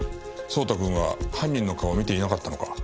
蒼太くんは犯人の顔を見ていなかったのか？